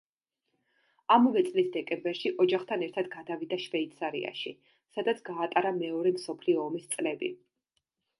ამავე წლის დეკემბერში ოჯახთან ერთად გადავიდა შვეიცარიაში სადაც გაატარა მეორე მსოფლიო ომის წლები.